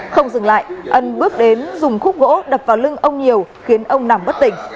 không dừng lại ân bước đến dùng khúc gỗ đập vào lưng ông nhiều khiến ông nằm bất tỉnh